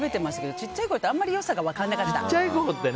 小さいころってあんまり良さが分からなかった。